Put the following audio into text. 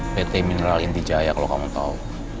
pt mineral intijaya kalo kamu tau